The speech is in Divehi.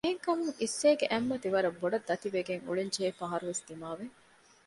އެހެން ކަމުން އިއްސޭގެ އަތްމަތި ވަރަށް ބޮޑަށް ދަތިވެގެން އުޅެން ޖެހޭ ފަހަރުވެސް ދިމާވެ